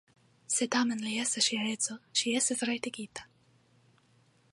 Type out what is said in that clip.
Se tamen li estas ŝia edzo, ŝi estas rajtigita.